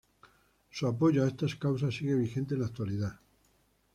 Su apoyo a estas causas sigue vigente en la actualidad.